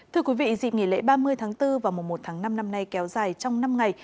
thưa quý vị dịp nghỉ lễ ba mươi tháng bốn và mùa một tháng năm năm nay kéo dài trong năm ngày